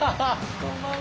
こんばんは。